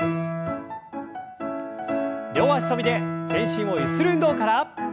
両脚跳びで全身をゆする運動から。